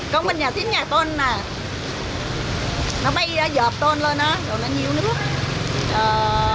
còn bên nhà thím nhà tôn à nó bay dợp tôn lên á rồi nó nhiêu nước